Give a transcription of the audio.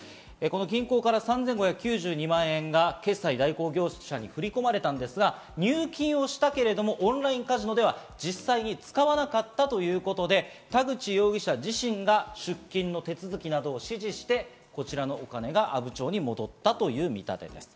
銀行から３５９２万円が決済代行業者に振り込まれたんですが、入金をしたけれどもオンラインカジノでは実際に使わなかったということで、田口容疑者自身が出金の手続きなどを指示して、こちらの金が阿武町に戻ったという見立てです。